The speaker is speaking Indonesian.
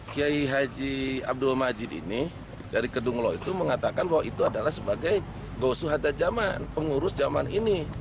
kiai haji abdul majid ini dari kedunglo itu mengatakan bahwa itu adalah sebagai gosu hada zaman pengurus zaman ini